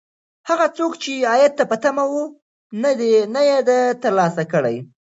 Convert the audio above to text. هغه څوک چې عاید ته په تمه و، نه یې دی ترلاسه کړی.